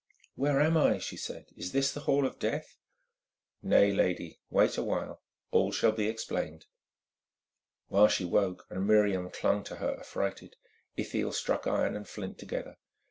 "Where am I?" she said. "Is this the hall of death?" "Nay, lady. Wait a while, all shall be explained." While she spoke and Miriam clung to her affrighted, Ithiel struck iron and flint together.